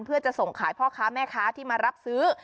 เพื่อจะส่งขายพ่อค้าแม่ค้าที่มารับซื้อ